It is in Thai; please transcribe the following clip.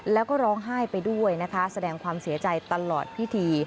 แล้วก็ร้องไห้ไปด้วยนะคะแสดงความเสียใจตลอดพิธี